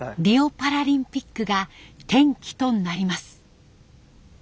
リオパラリンピックが転機となります。